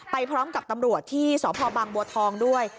ไปพร้อมกับตำรวจที่สพบังบัวทองด้วย